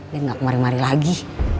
dan gak kemari mari lagi